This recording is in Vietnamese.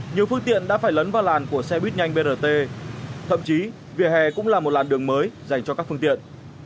nhiều phương tiện đã phải lấn vào làn của xe buýt nhanh brt thậm chí vỉa hè cũng là một làn đường mới dành cho các phương tiện